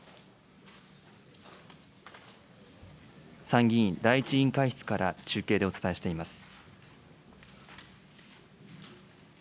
参議院第１委員会室から中継でお伝えしています。